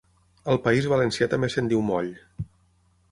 Al País Valencià també se'n diu moll.